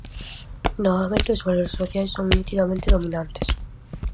Novamente os valores sociais son nitidamente dominantes.